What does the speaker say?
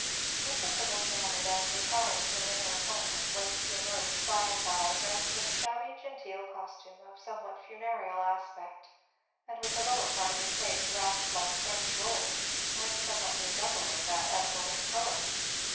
Mr. Tibbles nodded, and retired to an inner apartment, whence he emerged by and by dressed in a shabby genteel costume of somewhat funereal aspect, and with the lower part of his face rasped like a French roll, and somewhat resembling that edible in colour.